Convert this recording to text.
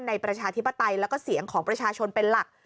ประชาธิปไตยแล้วก็เสียงของประชาชนเป็นหลัก